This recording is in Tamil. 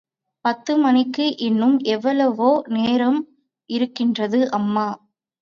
பத்து மணிக்கு இன்னும் எவ்வளவோ நேரம் இருக்கின்றது அம்மா!